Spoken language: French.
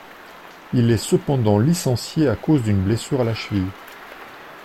Il est cependant licencié à cause d'une blessure à la cheville.